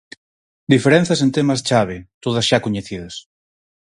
Diferenzas en temas chave, todas xa coñecidas.